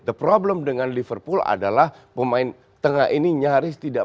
the problem dengan liverpool adalah pemain tengah ini nyaris tidak